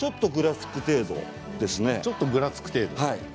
ちょっとぐらつく程度。